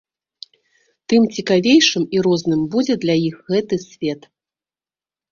Тым цікавейшым і розным будзе для іх гэты свет.